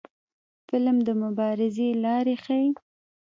فلم د مبارزې لارې ښيي